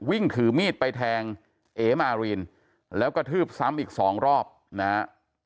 วิ่งถือมีดไปแทงเอ๋มารีนแล้วกระทืบซ้ำอีกสองรอบนะฮะ